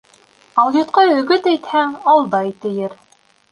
Алйотҡа өгөт әйтһәң, «алдай» тиер